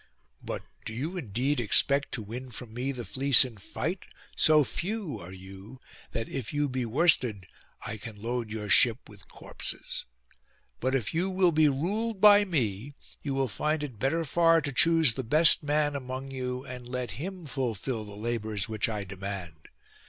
But do you indeed expect to win from me the fleece in fight? So few you are that if you be worsted I can load your ship with your corpses. But if you will be ruled by me, you will find it better far to choose the best man among you, and let him fulfil the labours which I demand.